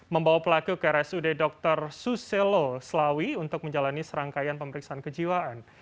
membawa pelaku ke rsud dr suselo selawi untuk menjalani serangkaian pemeriksaan kejiwaan